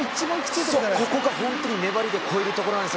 ここが本当に粘りで超えるところなんです。